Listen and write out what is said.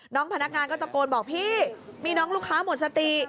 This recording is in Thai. พนักงานก็ตะโกนบอกพี่มีน้องลูกค้าหมดสติ